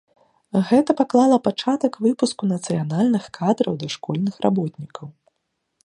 Гэта паклала пачатак выпуску нацыянальных кадраў дашкольных работнікаў.